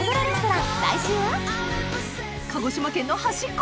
鹿児島県の端っこ